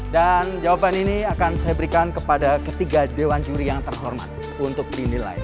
dan jawaban ini akan saya berikan kepada ketiga dewan juri yang terhormat untuk dinilai